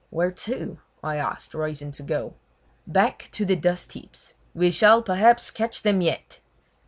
"Where to?" I asked, rising to go. "Back to the dust heaps. We shall, perhaps, catch them yet!"